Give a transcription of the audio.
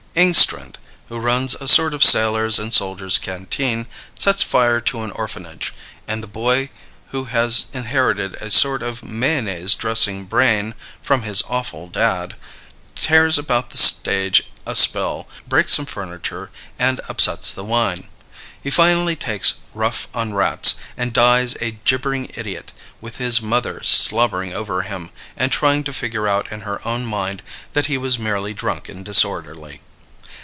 Engstrand, who runs a sort of sailors' and soldiers' canteen, sets fire to an orphanage, and the boy, who has inherited a sort of mayonnaise dressing brain from his awful dad, tears about the stage a spell, breaks some furniture, and upsets the wine. He finally takes rough on rats, and dies a gibbering idiot, with his mother slobbering over him and trying to figure out in her own mind that he was merely drunk and disorderly.